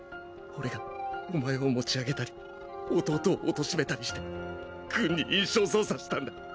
俺がお前を持ち上げたり弟を貶めたりして軍に印象操作したんだ！